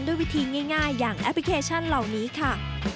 ด้วยวิธีง่ายอย่างแอปพลิเคชันเหล่านี้ค่ะ